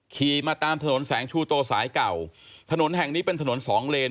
ขี่มาตามถนนแสงชูโตสายเก่าถนนแห่งนี้เป็นถนนสองเลน